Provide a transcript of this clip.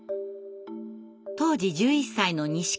当時１１歳の西川濱子。